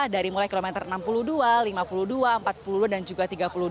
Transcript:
dari mulai kilometer enam puluh dua lima puluh dua empat puluh dua dan juga tiga puluh dua